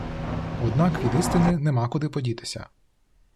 Однак від істини нема куди подітися